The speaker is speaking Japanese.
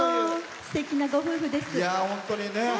すてきなご夫婦です。